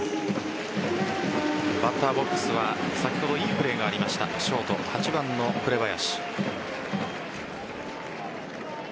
バッターボックスは先ほどいいプレーがありましたショート、８番の紅林。